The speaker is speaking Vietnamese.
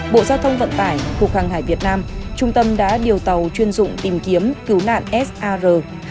bộ giao thông vận tải trung tâm đã điều tàu chuyên dụng tìm kiếm cứu nạn sar hai trăm bảy mươi hai